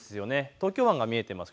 東京湾が見えています。